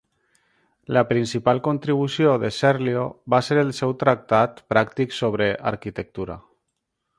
La principal contribució de Serlio va ser el seu tractat pràctic sobre arquitectura.